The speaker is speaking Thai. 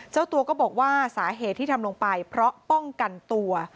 เจ้าตัวก็บอกว่าสาเหตุที่ทำลงไปเพราะป้องกันตัว